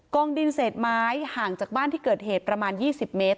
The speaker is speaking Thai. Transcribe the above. องดินเศษไม้ห่างจากบ้านที่เกิดเหตุประมาณ๒๐เมตร